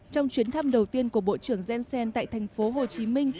trong chuyến thăm đầu tiên của bộ trưởng jensen tại tp hcm